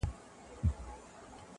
مخته چي دښمن راسي تېره نه وي.